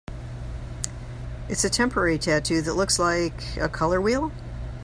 It's a temporary tattoo that looks like... a color wheel?